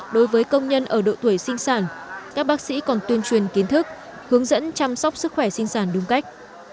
đối với công nhân ở độ tuổi sinh sản các bác sĩ còn tuyên truyền kiến thức hướng dẫn chăm sóc sức khỏe sinh sản đúng cách